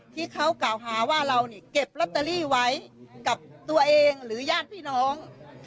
ที่เขากล่าวหาว่าเรานี่เก็บลอตเตอรี่ไว้กับตัวเองหรือญาติพี่น้อง